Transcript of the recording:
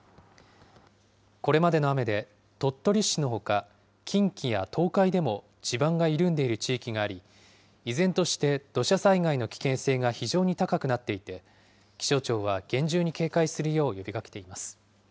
これまでの雨で鳥取市のほか、近畿や東海でも地盤が緩んでいる地域があり、依然として土砂災害の危険性が非常に高くなっていて、気象庁は厳重に警戒するよう呼びかけています。